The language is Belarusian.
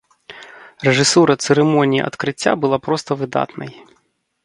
Рэжысура цырымоніі адкрыцця была проста выдатнай.